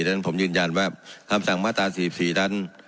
ฉะนั้นผมยืนยันว่าคำสั่งมาตรา๔๔นั้น